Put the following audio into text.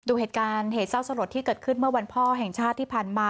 ดูเหตุการณ์เหตุเศร้าสลดที่เกิดขึ้นเมื่อวันพ่อแห่งชาติที่ผ่านมา